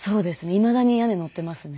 いまだに屋根乗っていますね。